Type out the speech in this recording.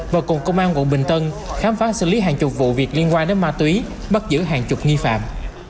và cùng công an quận bình tân khám phá xử lý hàng chục vụ việc liên quan đến ma túy bắt giữ hàng chục nghi phạm